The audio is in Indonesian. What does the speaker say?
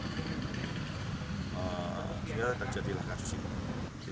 terjadilah kasus ini